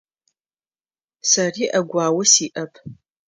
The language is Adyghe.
Сэри ӏэгуао сиӏэп.